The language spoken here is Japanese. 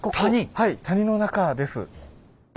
はい谷の中です。